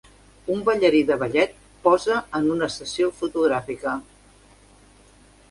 Un ballarí de ballet posa en una sessió fotogràfica.